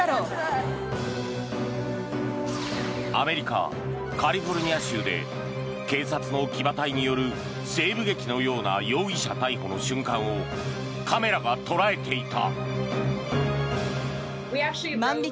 アメリカ・カリフォルニア州で警察の騎馬隊による西部劇のような容疑者逮捕の瞬間をカメラが捉えていた。